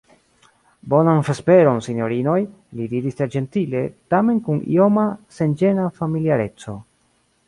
Bonan vesperon, sinjorinoj, li diris tre ĝentile, tamen kun ioma, senĝena familiareco.